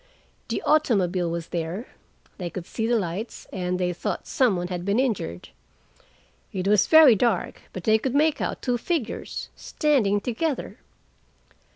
The automobile was there; they could see the lights, and they thought someone had been injured. It was very dark, but they could make out two figures, standing together.